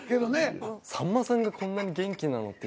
さんまさんがこんなに元気なのって